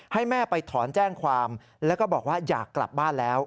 ให้แม่ไปถอนแจ้งความแล้วก็บอกว่าอยากกลับบ้านแล้ว